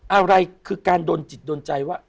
อะไรคือการโดนจิตโดนใจว่า